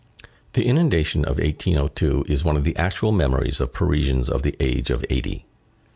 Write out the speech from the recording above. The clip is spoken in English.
The inundation of 1802 is one of the actual memories of Parisians of the age of eighty.